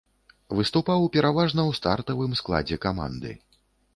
Выступаў пераважна ў стартавым складзе каманды.